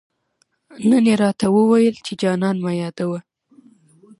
نن يې راته وويل، چي جانان مه يادوه